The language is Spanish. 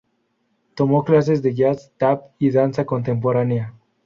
Tomó clases de jazz, tap y danza contemporánea.